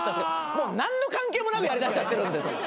もう何の関係もなくやりだしちゃってるんで。